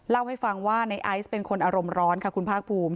เล่าให้ฟังว่าในไอซ์เป็นคนอารมณ์ร้อนค่ะคุณภาคภูมิ